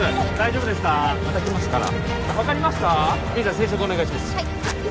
生食お願いします